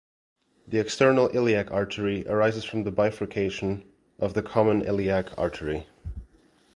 The external iliac artery arises from the bifurcation of the common iliac artery.